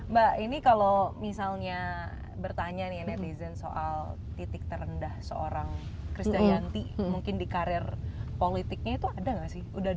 mbak ini kalau misalnya bertanya nih netizen soal titik terendah seorang chris dayanti mungkin di karir politiknya itu ada nggak sih